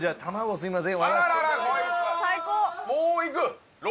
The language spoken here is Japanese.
すいません